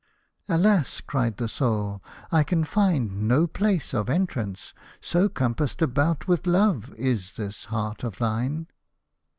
"Alas!" cried his Soul, "I can find no place of entrance, so compassed about with love is this heart of thine."